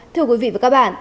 thưa quý vị và các bạn